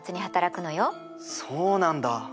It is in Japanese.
そうなんだ！